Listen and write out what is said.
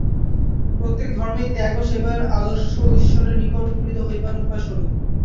প্রত্যেক ধর্মেই ত্যাগ ও সেবার আদর্শ ঈশ্বরের নিকট উপনীত হইবার উপায়স্বরূপ।